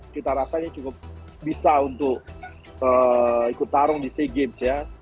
kita rasanya cukup bisa untuk ikut tarung di sea games ya